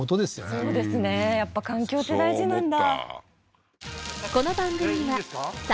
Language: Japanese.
そうですねやっぱ環境って大事なんだ